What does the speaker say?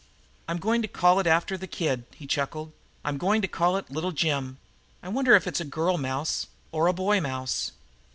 "I'm going to call it after the Kid," he chuckled, "I'm goin' to call it Little Jim. I wonder if it's a girl mouse or a boy mouse?"